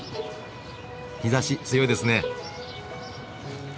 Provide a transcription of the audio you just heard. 日ざし強いですね。